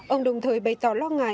ông đồng thời bày tỏ lo ngại